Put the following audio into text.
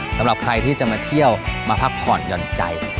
สำหรับใครที่จะมาเที่ยวมาพักผ่อนหย่อนใจ